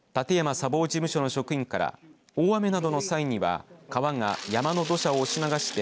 砂防事務所の職員から大雨などの際には川が山の土砂を押し流して